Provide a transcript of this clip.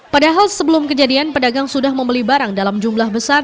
padahal sebelum kejadian pedagang sudah membeli barang dalam jumlah besar